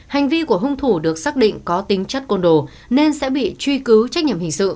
hành vi của hung thủ được xác định có tính chất côn đồ nên sẽ bị truy cứu trách nhiệm hình sự